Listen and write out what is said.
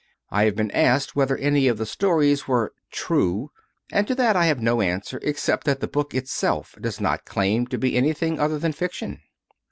I have been asked whether any of the stories were "true," and to that I have no answer except that the book itself does not claim to be anything other than fiction.